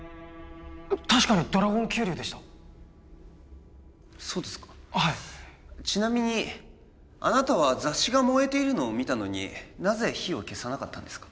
確かにドラゴン急流でしたそうですかはいちなみにあなたは雑誌が燃えているのを見たのになぜ火を消さなかったんですか？